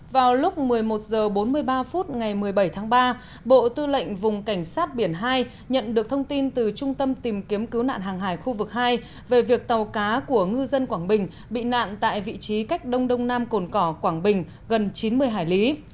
vào lúc một mươi một h bốn mươi ba phút ngày một mươi bảy tháng ba bộ tư lệnh vùng cảnh sát biển hai nhận được thông tin từ trung tâm tìm kiếm cứu nạn hàng hải khu vực hai về việc tàu cá của ngư dân quảng bình bị nạn tại vị trí cách đông đông nam cồn cỏ quảng bình gần chín mươi hải lý